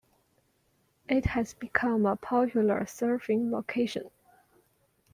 It has become a popular surfing location.